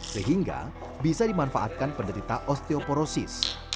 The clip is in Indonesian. sehingga bisa dimanfaatkan penderita osteoporosis